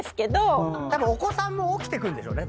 お子さんも起きてくんでしょうね